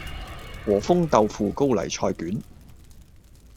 和風豆腐高麗菜卷